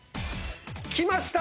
きました！